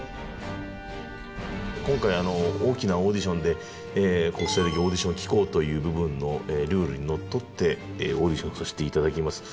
今回大きなオーディションで国際的オーディション機構という部分のルールにのっとってオーディションさせて頂きます。